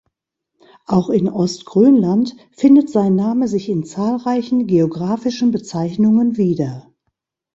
Auch in Ostgrönland findet sein Name sich in zahlreichen geographischen Bezeichnungen wieder.